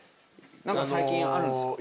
何か最近あるんすか？